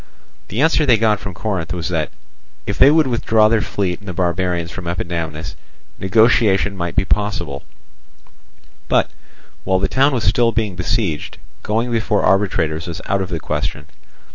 The answer they got from Corinth was that, if they would withdraw their fleet and the barbarians from Epidamnus, negotiation might be possible; but, while the town was still being besieged, going before arbitrators was out of the question.